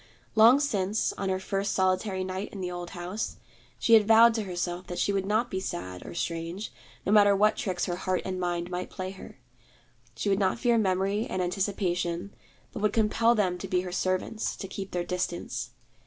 Long since, on her first solitary night in the old house, she had vowed to herself that she would not be sad, or strange, no matter what tricks her heart and mind might play her. She would not fear memory and anticipation, but would compel them to be her servants, to keep their distance.